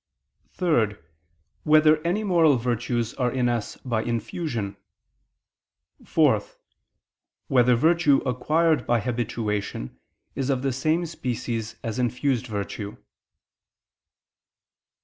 (3) Whether any moral virtues are in us by infusion? (4) Whether virtue acquired by habituation, is of the same species as infused virtue?